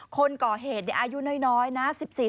คนก่อเหตุในอายุน้อยนะ๑๔๑๕๑๖๑๗๑๘๑๙